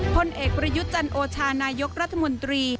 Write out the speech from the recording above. พลเอกประยุทธ์จันโอชานายกรัฐมนตรี